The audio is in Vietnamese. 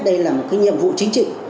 đây là một cái nhiệm vụ chính trị